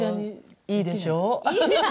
いいでしょう？